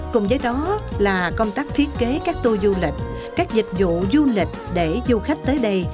cùng với đó là công tác thiết kế các tô du lịch các dịch vụ du lịch để du khách tới đây